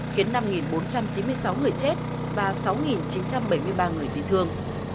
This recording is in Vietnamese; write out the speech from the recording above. khiến năm bốn trăm chín mươi sáu người chết và sáu chín trăm bảy mươi ba người bị thương